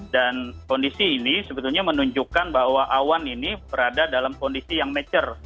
dan kondisi ini sebetulnya menunjukkan bahwa awan ini berada dalam kondisi yang mature